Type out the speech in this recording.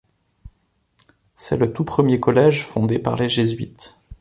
C’est le tout premier collège fondé par les jésuites.